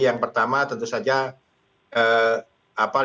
yang pertama tentu saja